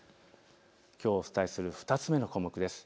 きょうお伝えする２つ目の項目です。